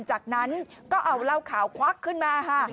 จากนั้นก็เอาเหล้าขาวควักขึ้นมาค่ะ